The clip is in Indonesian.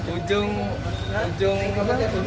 ujung ujung apa ya